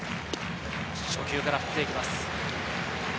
初球から振っていきます。